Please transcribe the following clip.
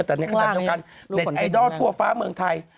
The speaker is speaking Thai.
แต่ในขณะเดียวกันเน็ตไอดอลทั่วฟ้าเมืองไทย